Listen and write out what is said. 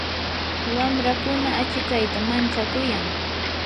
wamrakuna achikayta manchakuyan.